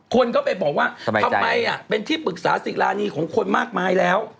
คนก็ไปบอกว่าทำไมเป็นที่ปรึกษาศิรานีของคนมากมายแล้ว